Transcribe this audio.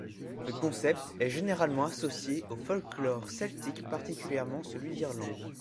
Le concept est généralement associé au folklore celtique, particulièrement celui d'Irlande.